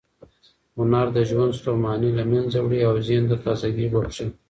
هنر د ژوند ستوماني له منځه وړي او ذهن ته تازه ګۍ بښي.